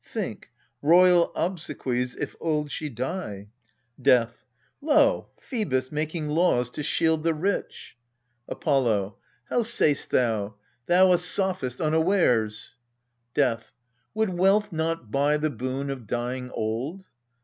Think royal obsequies if old she die! Death. I,o, Phoebus making laws to shield the rich! ALCESTIS 201 Apollo. How sayst thou ? thou a sophist unawares ! Death. Would wealth not buy the boon of dying old?